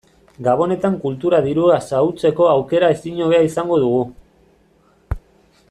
Gabonetan kulturan dirua xahutzeko aukera ezin hobea izango dugu.